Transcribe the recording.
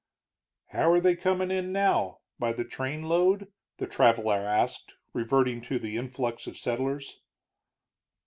"How are they coming in now by the trainload?" the traveler asked, reverting to the influx of settlers.